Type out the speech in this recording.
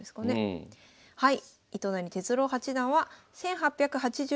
はい。